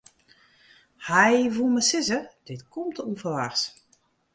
Hy woe mar sizze: dit komt te ûnferwachts.